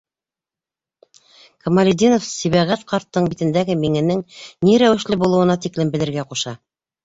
Камалетдинов Сибәғәт ҡарттың битендәге миңенең ни рәүешле булыуына тиклем белергә ҡуша.